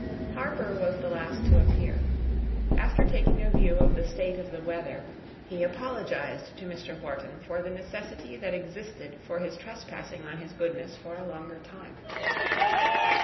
Harper was the last to appear; after taking a view of the state of the weather, he apologized to Mr. Wharton for the necessity that existed for his trespassing on his goodness for a longer time.